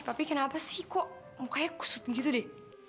tapi kenapa sih kok mukanya gitu deh